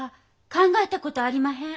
考えたことありまへん。